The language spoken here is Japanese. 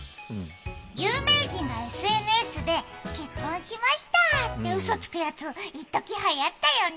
有名人がＳＮＳで結婚しましたってうそつくやつ一時、はやったよね？